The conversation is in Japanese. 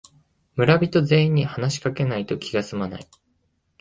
村人全員に話しかけないと気がすまない